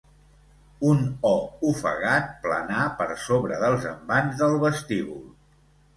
Un oh ofegat planà per sobre dels envans del vestíbul.